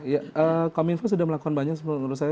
kemenkom info sudah melakukan banyak menurut saya